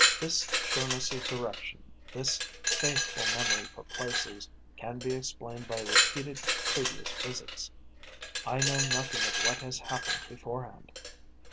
This sureness of direction, this faithful memory for places can be explained by repeated previous visits. I know nothing of what has happened beforehand.